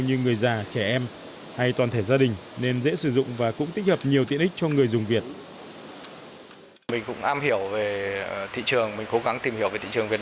như người già trẻ em hay toàn thể gia đình nên dễ sử dụng và cũng tích hợp nhiều tiện ích cho người dùng việt